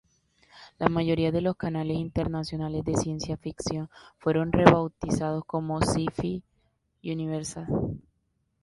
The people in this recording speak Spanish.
La mayoría de los canales internacionales de ciencia ficción fueron rebautizados como Syfy Universal.